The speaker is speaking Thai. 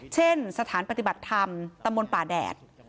เช่นสถานปฏิบัติธรรมตำบลป่าแดด